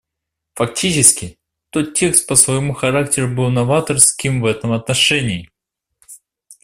Фактически, тот текст по своему характеру был новаторским в этом отношении.